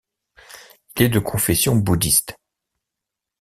Il est de confession bouddhiste.